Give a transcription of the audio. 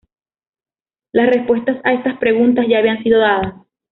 Las respuestas a estas preguntas ya habían sido dadas.